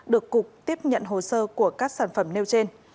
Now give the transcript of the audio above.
được cục tiếp nhận hồ sơ của các sản phẩm nêu trên